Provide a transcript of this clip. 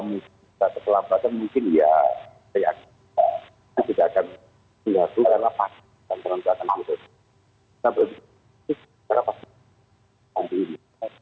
untuk pemilu ini